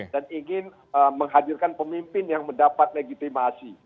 dan ingin menghadirkan pemimpin yang mendapat legitimasi